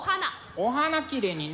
お花きれいにね。